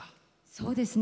そうですね